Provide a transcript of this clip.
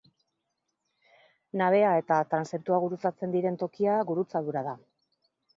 Nabea eta transeptua gurutzatzen diren tokia gurutzadura da.